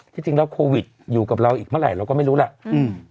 ที่จริงแล้วโควิดอยู่กับเราอีกเมื่อไหร่เราก็ไม่รู้ล่ะอืม